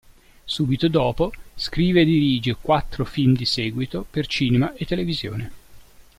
Subito dopo, scrive e dirige quattro film di seguito, per cinema e televisione.